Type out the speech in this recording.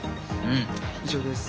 以上です。